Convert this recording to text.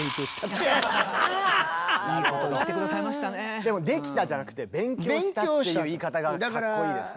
でも「できた」じゃなくて「勉強した」っていう言い方がかっこいいですね。